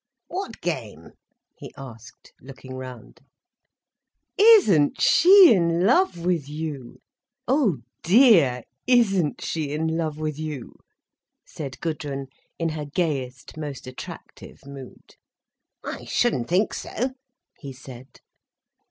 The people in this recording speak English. "What game?" he asked, looking round. "Isn't she in love with you—oh dear, isn't she in love with you!" said Gudrun, in her gayest, most attractive mood. "I shouldn't think so," he said.